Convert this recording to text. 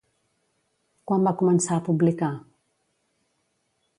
Quan va començar a publicar?